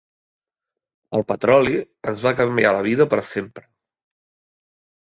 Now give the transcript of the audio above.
El petroli ens va canviar la vida per sempre.